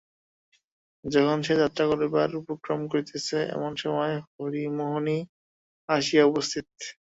যখন সে যাত্রা করিবার উপক্রম করিতেছে এমন সময় হরিমোহিনী আসিয়া উপস্থিত।